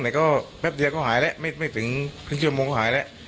แต่ก็แป๊บเดียวก็หายแล้วไม่ถึงครึ่งชั่วโมงก็หายแล้ว